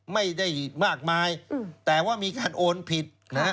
ไม่ได้มากมายแต่ว่ามีการโอนผิดนะฮะ